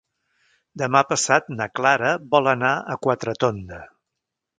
Demà passat na Clara vol anar a Quatretonda.